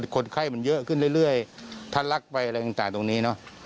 คนไข้มันเยอะขึ้นเรื่อยถ้ารักไปอะไรต่างตรงนี้เนอะ